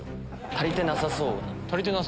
足りてなさそうな。